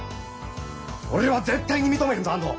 俺は絶対に認めへんぞ安藤。